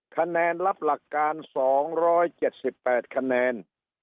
คะแนนรับหลักการ๒๗๘คะแนน